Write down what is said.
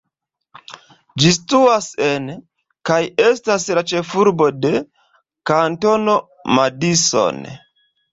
Ĝi situas en, kaj estas la ĉefurbo de, Kantono Madison.